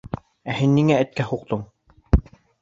Ә һин ниңә эткә һуҡтың?